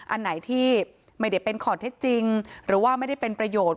อันไหนที่ไม่ได้เป็นข้อเท็จจริงหรือว่าไม่ได้เป็นประโยชน์